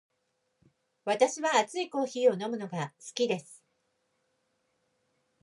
私は熱いコーヒーを飲むのが好きです。